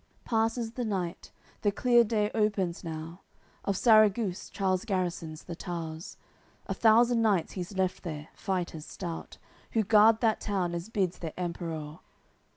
CCLXVII Passes the night, the clear day opens now. Of Sarraguce Charles garrisons the tow'rs; A thousand knights he's left there, fighters stout; Who guard that town as bids their Emperour.